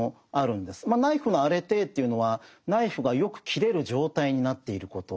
ナイフのアレテーというのはナイフがよく切れる状態になっていること。